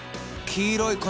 黄色い粉。